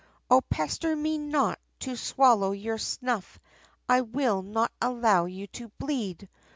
O pester me not to swallow your stuff, I will not allow you to bleed!